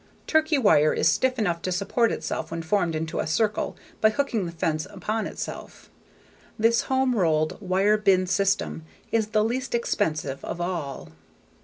Turkey wire is stiff enough to support itself when formed into a circle by hooking the fencing upon itself. This home rolled wire bin system is the least expensive of all.